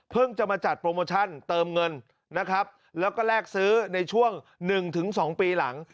เพิ่งจะมาจัดโปรโมชั่นเติมเงินนะครับแล้วก็แลกซื้อในช่วงหนึ่งถึงสองปีหลัง